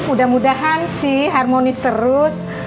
mudah mudahan sih harmonis terus